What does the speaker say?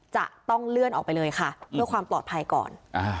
จะต้องเลื่อนออกไปเลยค่ะเพื่อความปลอดภัยก่อน